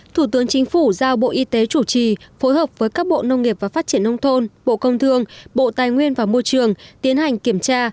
thủ tướng chính phủ giao bộ y tế chủ trì phối hợp với các bộ nông nghiệp và phát triển nông thôn bộ công thương bộ tài nguyên và môi trường tiến hành kiểm tra